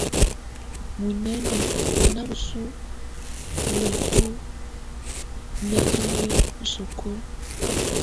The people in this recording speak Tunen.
Muinǝ́ni á ná bǝ́su úlutǝ́ ínǝ́kiniǝ́ isúkulu.